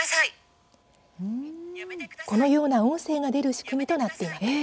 このような音声が出る仕組みとなっています。